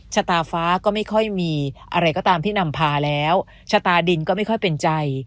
ชะตาฟ้าก็ไม่ค่อยมีอะไรก็ตามที่นำพาแล้วชะตาดินก็ไม่ค่อยเป็นใจ